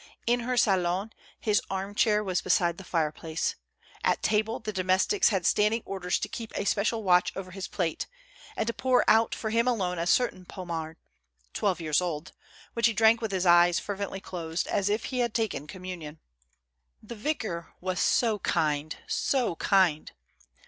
In her salon, his arm chair was beside the fire place ; at table, the domestics had standing orders to keep a special watch over his plate, and to pour out for him alone a certain Pomard, twelve years old, which he drank with his eyes fervently closed, as if he had taken communion. The vicar was so kind, so kind!